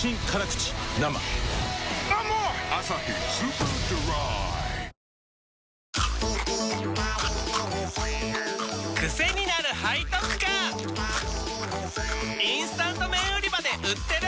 チキンかじり虫インスタント麺売り場で売ってる！